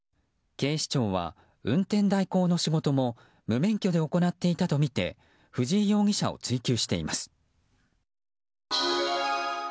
警視庁は運転代行の仕事も無免許で行っていたとみて藤井容疑者を追及しています。